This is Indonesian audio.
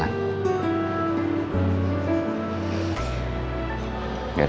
gak ada salah gak